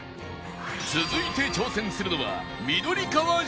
続いて挑戦するのは緑川静香